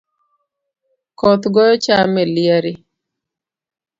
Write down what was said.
Koth goyo cham eliare